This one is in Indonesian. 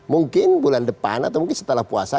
mungkin bulan depan atau mungkin setelah puasa